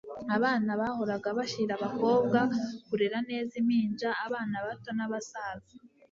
Abana bahoraga bashira abakobwa kurera neza impinja abana bato nabasaza